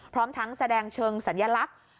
พร้อมทั้งแสดงเชิงสัญลักษณ์